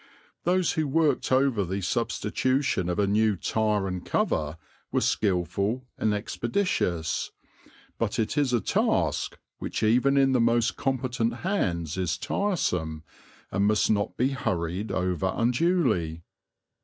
Those who worked over the substitution of a new tire and cover were skilful and expeditious; but it is a task which even in the most competent hands is tiresome and must not be hurried over unduly.